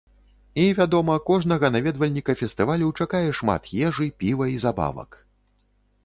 І, вядома, кожнага наведвальніка фестывалю чакае шмат ежы, піва і забавак.